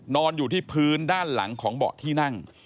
นอนอยู่ที่พื้นด้านหลังของเบาะที่นั่ง